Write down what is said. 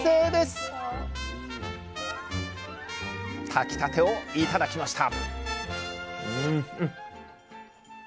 炊きたてを頂きました！